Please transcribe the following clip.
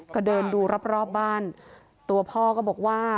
ก็เดินดูรอบรอบบ้านตัวพ่อก็บอกว่า